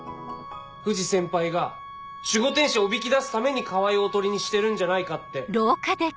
藤先輩が守護天使をおびき出すために川合をおとりにしてるんじゃないかって。